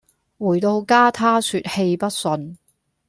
回到家她說氣不順